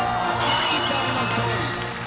牧さんの勝利。